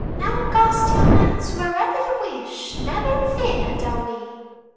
"Now cast your nets wherever you wish,— Never afeard are we!"